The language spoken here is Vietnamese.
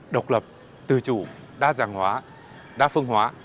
độc lập tự chủ đa dạng hóa đa phương hóa